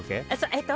えっと